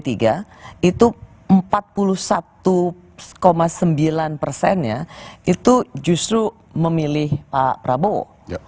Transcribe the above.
itu empat puluh satu sembilan persennya itu justru memilih pak prabowo